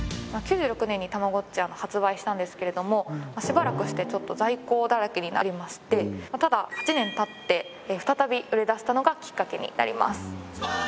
９６年にたまごっちは発売したんですけれどもしばらくして在庫だらけになりましてただ８年たって再び売れ出したのがキッカケになります